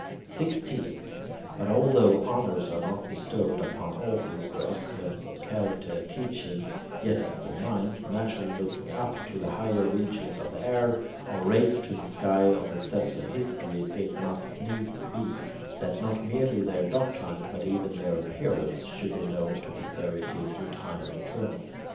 16. But although honours are not bestowed upon authors for excellence of character and teaching, yet as their minds, naturally looking up to the higher regions of the air, are raised to the sky on the steps of history, it must needs be, that not merely their doctrines, but even their appearance, should be known to posterity through time eternal.